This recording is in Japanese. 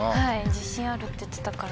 自信あるって言ってたから。